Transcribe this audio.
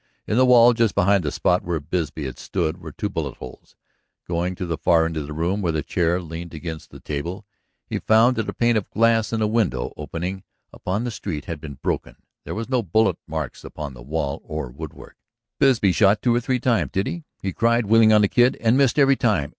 In the wall just behind the spot where Bisbee had stood were two bullet holes. Going to the far end of the room where the chair leaned against the table, he found that a pane of glass in the window opening upon the street had been broken. There were no bullet marks upon wall or woodwork. "Bisbee shot two or three times, did he?" he cried, wheeling on the Kid. "And missed every time?